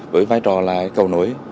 với vai trò là cầu nối